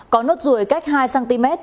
có nốt ruồi cách hai cm